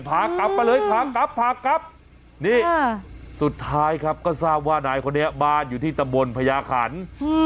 พากลับมาเลยพากลับพากลับนี่สุดท้ายครับก็ทราบว่านายคนนี้บ้านอยู่ที่ตำบลพญาขัน